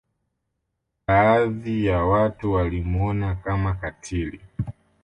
Baadhi ya watu walimwona Kama katili